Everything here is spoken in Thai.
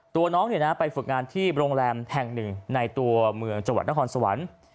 ตัวน้องไปฝึกงานที่โรงแรมแห่งหนึ่งในตัวเมืองจังหวัดนครสวรรค์